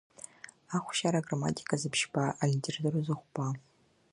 Ахәшьара, аграмматиказы ԥшьба, алитературазы хәба!